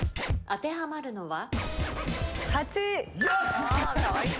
当てはまるのは？